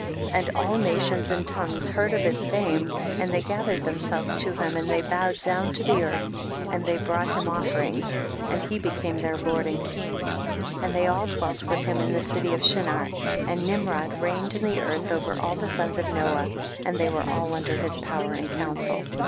45. And all nations and tongues heard of his fame, and they gathered 18 THE BOOK OF JASHER. themselves* to him, and they bowed down to the earth, and they brought him offerings, and he became their lord and king, and they all dweh with him in the city of Shinar, and Nimrod reigned in the earth over all the sons of Noah, and they were all under his power and counsel.